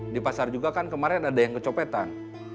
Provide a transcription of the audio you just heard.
di pasar juga kan kemarin ada yang kecopetan